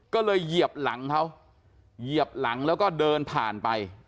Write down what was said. ก็เลยเหยียบหลังเขาเหยียบหลังแล้วก็เดินผ่านไป